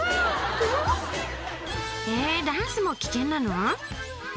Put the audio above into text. フフフえっダンスも危険なの？